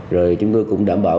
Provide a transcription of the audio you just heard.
rồi chúng tôi cũng đảm bảo